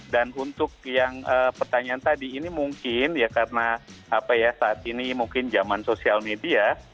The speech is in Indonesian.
dan untuk yang pertanyaan tadi ini mungkin ya karena apa ya saat ini mungkin zaman sosial media